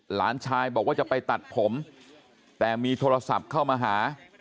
หลานชายบอกว่าจะไปตัดผมแต่มีโทรศัพท์เข้ามาหา